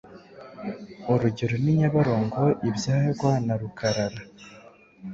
Urugero ni Nyabarongo ibyarwa na Rukarara,